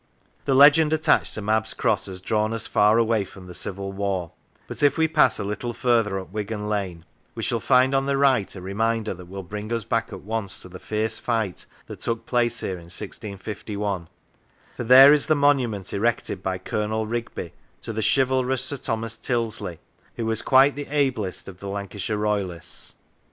The legend attached to Mab's Cross has drawn us far away from the Civil War; but if we pass a little further up Wigan Lane we shall find on the right a reminder that will bring us back at once to the fierce fight that took place here in 1651, for there is the monument erected by Colonel Rigby to the chivalrous Sir Thomas Tyldesley, who was quite the ablest of the Lancashire Royalists.